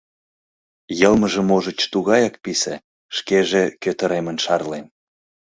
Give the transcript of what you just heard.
Йылмыже, можыч, тугаяк писе, шкеже кӧтыремын шарлен.